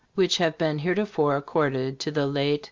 which have been heretofore accorded to the late M.